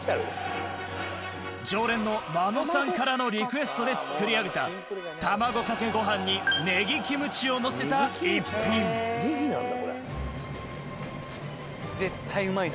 常連のマノさんからのリクエストで作り上げた卵かけご飯にネギキムチをのせた一品絶対うまいな。